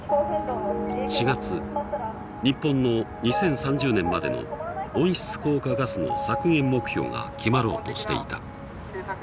４月日本の２０３０年までの温室効果ガスの削減目標が決まろうとしていた。